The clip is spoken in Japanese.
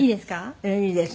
いいですか？